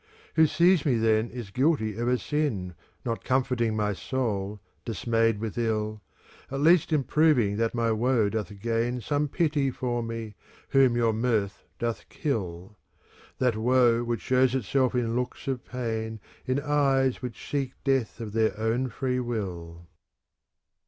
Who sees me then is guilty of a sin, Not comforting my soul, dismayed with ill, *" At least in proving that my woe doth gain Some pity for me, whom your mirth doth kill, — That woe which shows itself in looks of pain In eyes which seek death of their own free will.